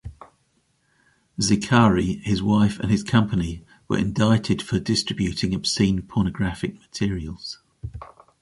Zicari, his wife and his company were indicted for distributing obscene pornographic materials.